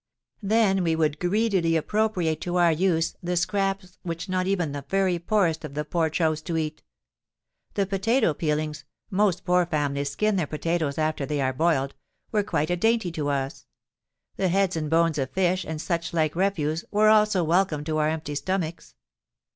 Then we would greedily appropriate to our use the scraps which not even the very poorest of the poor chose to eat. The potato peelings (most poor families skin their potatoes after they are boiled) were quite a dainty to us: the heads and bones of fish and such like refuse were also welcome to our empty stomachs.